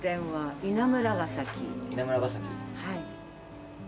はい。